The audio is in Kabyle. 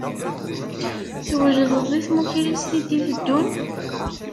Twejdeḍ i tmukrist i d-iteddun?